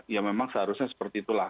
ya memang seharusnya seperti itulah